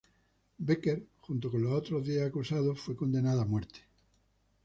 Becker, junto con los otros diez acusados, fue condenada a muerte.